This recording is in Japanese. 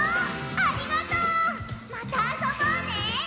ありがとう！またあそぼうね！